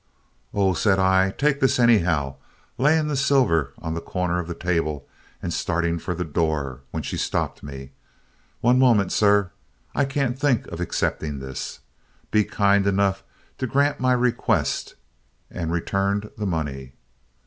'Oh,' said I, 'take this, anyhow,' laying the silver on the corner of the table and starting for the door, when she stopped me. 'One moment, sir; I can't think of accepting this. Be kind enough to grant my request,' and returned the money.